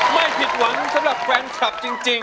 ไม่ผิดหวังสำหรับแฟนคลับจริง